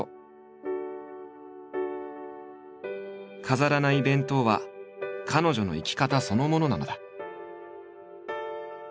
飾らない弁当は彼女の生き方そのものなのだ。